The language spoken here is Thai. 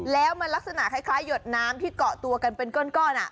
แล้วมันลักษณะคล้ายหยดน้ำที่เกาะตัวกันเป็นก้อน